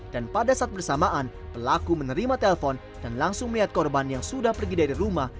dan pada saat bersamaan pelaku menerima telpon dan langsung melihat korban yang sudah pergi dari rumah